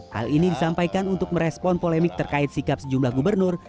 hal ini disampaikan untuk merespon polemik terkait sikap sejumlah gubernur